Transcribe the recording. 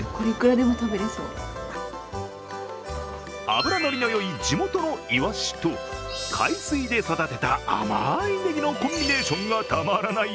脂乗りのよい地元のいわしと海水で育てた甘いねぎのコンビネーションがたまらない